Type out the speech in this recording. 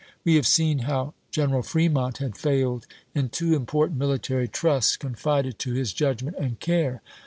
We have seen how Gen eral Fremont had failed in two important military trusts confided to his judgment and care.